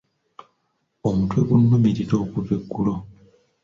Omutwe gunnumirira okuva eggulo.